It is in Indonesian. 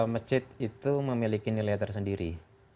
masjid itu memiliki nilai tersendiri